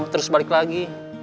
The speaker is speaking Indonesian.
terus balik lagi